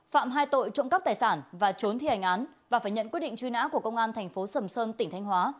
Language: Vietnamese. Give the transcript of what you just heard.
phạm hai tội trộm cắp tài sản và trốn thi hành án và phải nhận quyết định truy nã của công an thành phố sầm sơn tỉnh thanh hóa